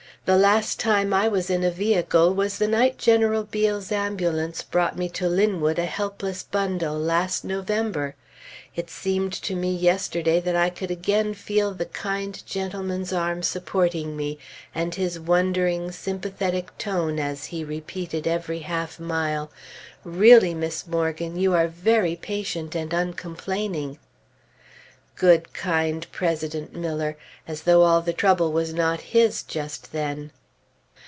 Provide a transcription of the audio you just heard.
The last time I was in a vehicle was the night General Beale's ambulance brought me to Linwood a helpless bundle, last November. It seemed to me yesterday that I could again feel the kind gentleman's arm supporting me, and his wondering, sympathetic tone as he repeated every half mile, "Really, Miss Morgan, you are very patient and uncomplaining!" Good, kind President Miller! As though all the trouble was not his, just then!